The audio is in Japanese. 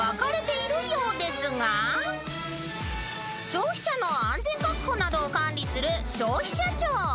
［消費者の安全確保などを管理する消費者庁］